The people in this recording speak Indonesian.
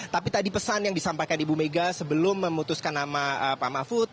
tapi tadi pesan yang disampaikan ibu mega sebelum memutuskan nama pak mahfud